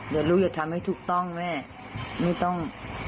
เดี๋ยวรู้จะทำให้ถูกต้องไหมไม่ต้อง